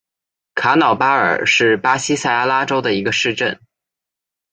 卡瑙巴尔是巴西塞阿拉州的一个市镇。